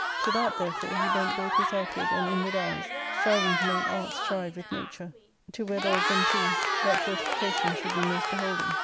To that, therefore, he bent both his outward and inward eyes, striving to make art strive with nature, to whether of them two that fortification should be most beholding.